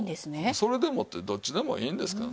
「それでも」ってどっちでもいいんですけど。